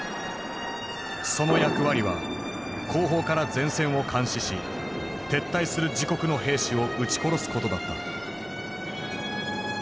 その役割は後方から前線を監視し撤退する自国の兵士を撃ち殺すことだった。